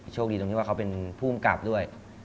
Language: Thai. โชคดีตรงนี้ว่าเค้าเป็นภูมิกรรพ์ด้วย